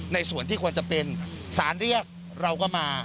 ในส่วนที่ควรจะเป็นสารเรียกเราก็มา